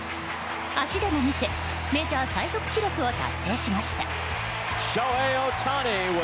足でも見せメジャー最速記録を達成しました。